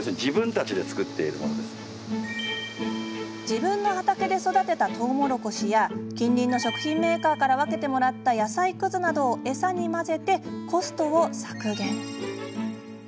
自分の畑で育てたとうもろこしや近隣の食品メーカーから分けてもらった野菜くずなどをえさに混ぜコストを削減。